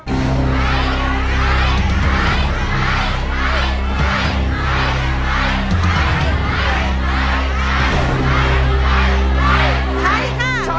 ใช้ใช้ใช้ใช้ใช้ใช้ใช้ใช้